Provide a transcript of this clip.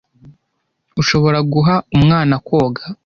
Ushobora guha umwana koga?